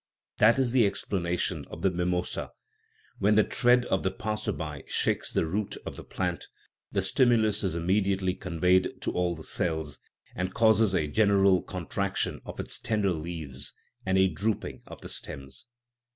That is the explanation of the mimosa: when the tread of the passer by shakes the root of the plant, the stimulus is immediately conveyed to all the cells, and causes a general contraction of its tender leaves and a drooping of the stems.